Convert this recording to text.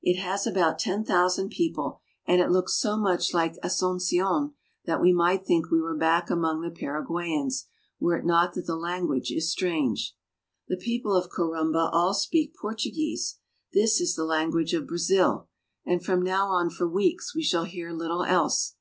It has about ten thousand people, and it looks so much like Asuncion that we might think we were back among the Paraguayans, were it not that the language is strange. The people of A Farmhouse. Corumba all speak Portuguese. This is the language of Brazil, and from now on for weeks we shall hear little else.